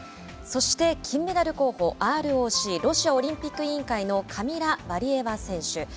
そして、金メダル候補ＲＯＣ＝ロシアオリンピック委員会のカミラ・ワリエワ選手。